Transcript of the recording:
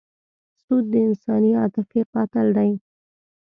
سود د انساني عاطفې قاتل دی.